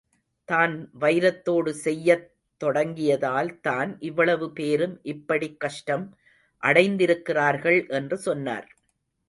தான் வைரத்தோடு செய்யத் தொடங்கியதால் தான் இவ்வளவு பேரும் இப்படிக் கஷ்டம் அடைந்திருக்கிறார்கள் என்று சொன்னார்.